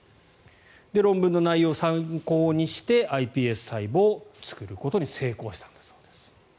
論文の内容を参考にしてｉＰＳ細胞を作ることに成功したんです。